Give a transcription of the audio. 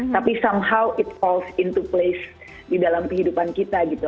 tapi somehow it falls into place di dalam kehidupan kita gitu